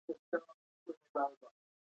مرکزي بانک بازار ته ډالر وړاندې کوي.